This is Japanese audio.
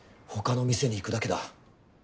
他の店に行くだけだ。